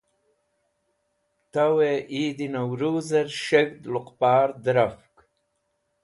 Towey Eid e Nauruz er S̃heg̃hd Luqpar Dẽrafk